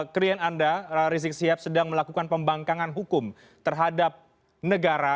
klien anda rizik sihab sedang melakukan pembangkangan hukum terhadap negara